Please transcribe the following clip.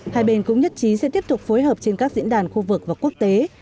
hai bên cũng nhất trí sẽ tiếp tục phối hợp trên các diễn đàn khu vực và quốc tế